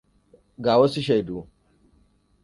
Ga wasu shaidu.